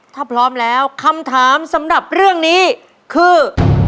ถ้าพร้อมแล้วคำถามสำหรับเรื่องนี้คือ